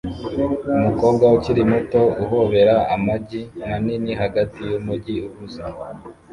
Umukobwa ukiri muto ahobera amagi manini hagati yumujyi uhuze